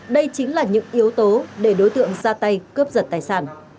đây chính là những yếu tố để đối tượng ra tay cướp giật tài sản